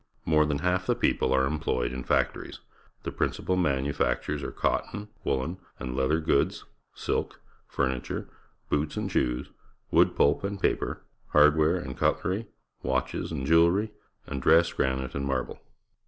More than half the people are employed in factories. The principal manu factures are cotton, woollen, and leather goods, silk, furniture, boots and shoes, wood pulp and paper, hardware and cutlery, watches and jeweUeiy, and dressed granite and marble.